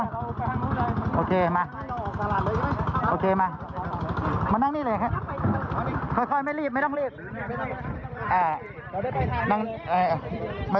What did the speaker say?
อ่าพี่เดี๋ยวพี่กางให้หน่ะพี่พี่น้องขึ้นมาแล้วกางล่มไว้